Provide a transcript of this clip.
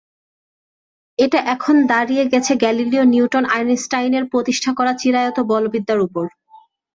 এটা এখন দাঁড়িয়ে আছে গ্যালিলিও-নিউটন-আইনস্টাইনের প্রতিষ্ঠা করা চিরায়ত বলবিদ্যার ওপর।